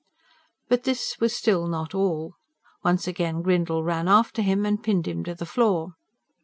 But this was still not all. Once again Grindle ran after him, and pinned him to the floor.